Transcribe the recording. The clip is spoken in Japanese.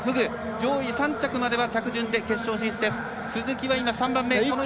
上位３着までは着順で決勝進出です。